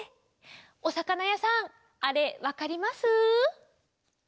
おさかなやさんあれわかります？